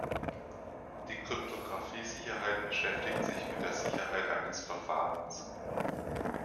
Die Kryptographie-Sicherheit beschäftigt sich mit der Sicherheit eines Verfahrens.